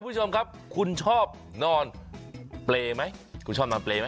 คุณผู้ชมครับคุณชอบนอนเปลมั้ย